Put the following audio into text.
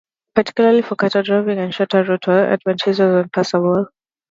Particularly for cattle droving, the shorter route was advantageous when passable.